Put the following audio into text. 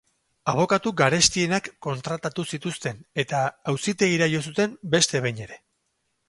Abokatu garestienak kontratatu zituzten eta auzitegira jo zuten beste behin ere.